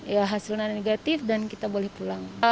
ya hasilnya negatif dan kita boleh pulang